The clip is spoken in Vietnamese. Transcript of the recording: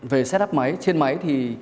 về setup máy trên máy thì